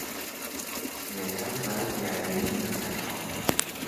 یەکەم جار دیاریی من بکەنەوە.